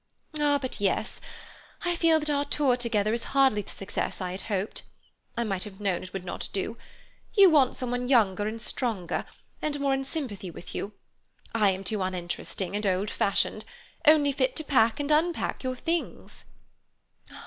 "Ah, but yes! I feel that our tour together is hardly the success I had hoped. I might have known it would not do. You want someone younger and stronger and more in sympathy with you. I am too uninteresting and old fashioned—only fit to pack and unpack your things."